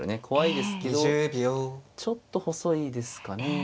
怖いですけどちょっと細いですかね。